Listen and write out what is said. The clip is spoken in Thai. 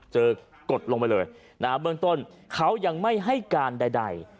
กดลงไปเลยนะฮะเบื้องต้นเขายังไม่ให้การใด